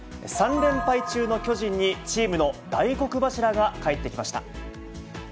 ３連敗中の巨人に、チームの大黒柱が帰ってきました。